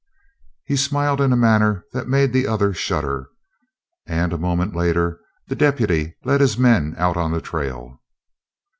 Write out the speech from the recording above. He smiled in a manner that made the other shudder. And a moment later the deputy led his men out on the trail.